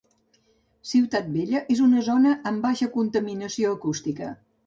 Ciutat Vella és una zona amb baixa contaminació acústica